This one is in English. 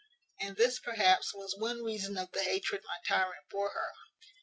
And this, perhaps, was one reason of the hatred my tyrant bore her.